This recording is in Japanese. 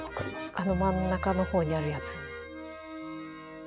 あの真ん中のほうにあるやつ。